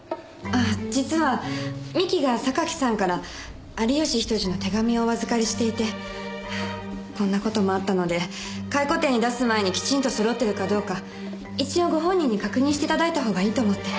あ実は三木が榊さんから有吉比登治の手紙をお預かりしていてこんなこともあったので回顧展に出す前にきちんとそろっているかどうか一応ご本人に確認していただいた方がいいと思って。